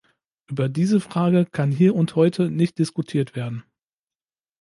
Über diese Frage kann hier und heute nicht diskutiert werden.